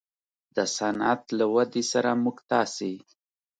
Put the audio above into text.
د صنعت له ودې سره موږ تاسې